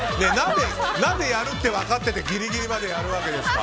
何でやるって分かっててギリギリまでやるわけですか。